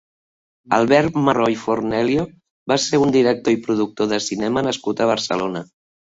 Albert Marro i Fornelio va ser un director i productor de cinema nascut a Barcelona.